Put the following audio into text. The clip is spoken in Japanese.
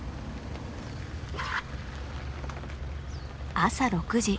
朝６時。